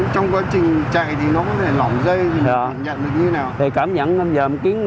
trong quá trình chạy thì nó có thể lỏng dây cảm nhận được như thế nào